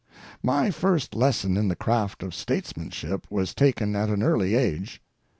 My first lesson in the craft of statesmanship was taken at an early age.